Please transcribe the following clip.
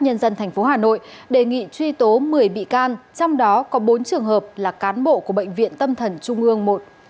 nhân dân tp hà nội đề nghị truy tố một mươi bị can trong đó có bốn trường hợp là cán bộ của bệnh viện tâm thần trung ương một